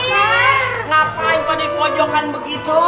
kenapa di pojokan begitu